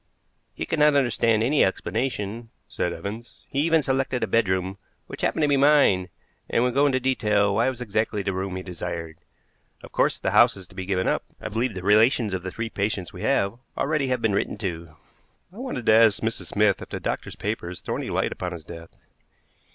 "He could not understand any explanation," said Evans. "He even selected a bedroom which happened to be mine, and would go into details why it was exactly the room he desired. Of course, the house is to be given up. I believe the relations of the three patients we have already have been written to." "I wanted to ask Mrs. Smith if the doctor's papers throw any light upon his death."